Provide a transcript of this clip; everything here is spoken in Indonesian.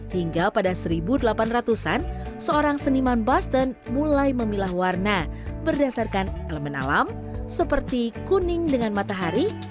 hingga pada seribu delapan ratus an seorang seniman boston mulai memilah warna berdasarkan elemen alam seperti kuning dengan matahari